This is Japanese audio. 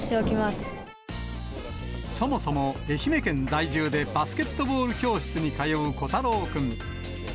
そもそも、愛媛県在住でバスケットボール教室に通う虎太郎君。